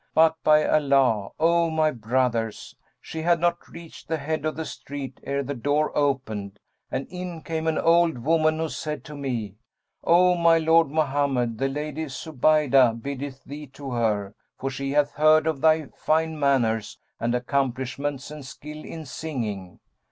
But by Allah, O my brothers, she had not reached the head of the street ere the door opened and in came an old woman, who said to me, 'O my lord Mohammed, the Lady Zubaydah biddeth thee to her, for she hath heard of thy fine manners and accomplishments and skill in singing.'